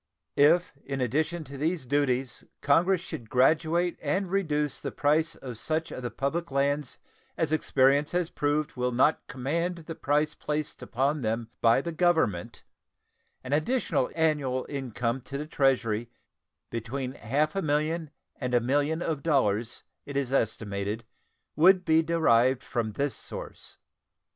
If in addition to these duties Congress should graduate and reduce the price of such of the public lands as experience has proved will not command the price placed upon them by the Government, an additional annual income to the Treasury of between half a million and a million of dollars, it is estimated, would be derived from this source.